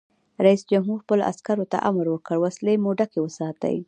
رئیس جمهور خپلو عسکرو ته امر وکړ؛ وسلې مو ډکې وساتئ!